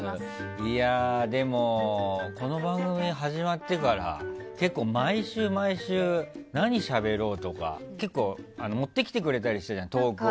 いやあ、でもこの番組が始まってから結構、毎週毎週何しゃべろうとか結構、持ってきてくれたりしたじゃん、トークを。